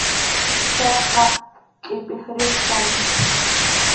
Chayqa qʼipiq riq kani.